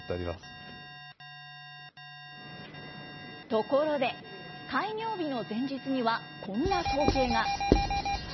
ところで、開業日の前日にはこんな光景が。